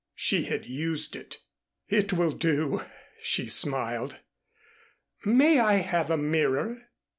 She had used it. "It will do," she smiled. "May I have a mirror?"